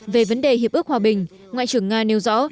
về vấn đề hiệp ước hòa bình ngoại trưởng nga nêu rõ